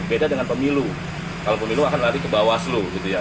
beda dengan pemilu kalau pemilu akan lari ke bawaslu gitu ya